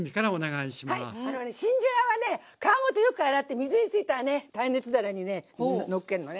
新じゃがはね皮ごとよく洗って水ついたらね耐熱皿にねのっけるのね。